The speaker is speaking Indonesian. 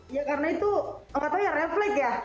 ya karena itu katanya refleks ya